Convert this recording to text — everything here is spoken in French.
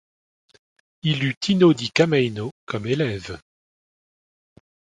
Il eut Tino di Camaino comme élève.